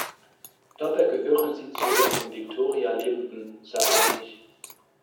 Dabei gehören sie zu den um Victoria lebenden Saanich.